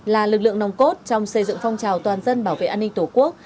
là lực lượng nồng cốt trong xây dựng phong trào toàn dân bảo vệ an ninh tổ quốc